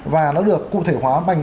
và nó được cụ thể hóa bành